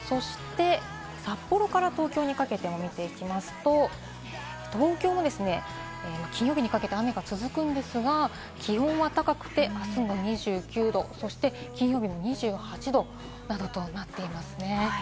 札幌から東京にかけてを見ていきますと、東京も金曜日にかけて雨が続くんですが、気温は高くて、あすも２９度、金曜日も２８度などとなっています。